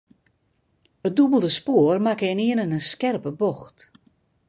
It dûbelde spoar makke ynienen in skerpe bocht.